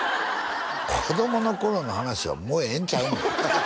子供の頃の話はもうええんちゃうの？